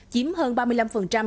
chiếm hơn ba mươi năm